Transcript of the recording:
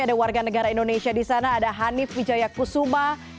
ada warga negara indonesia di sana ada hanif wijayakusuma